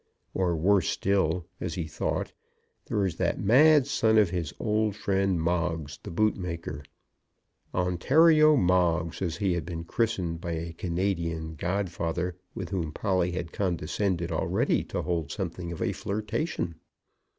Or, worse still, as he thought, there was that mad son of his old friend Moggs, the bootmaker, Ontario Moggs as he had been christened by a Canadian godfather, with whom Polly had condescended already to hold something of a flirtation.